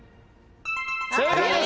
正解です。